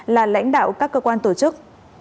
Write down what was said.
là lãnh đạo các cơ quan tổ chức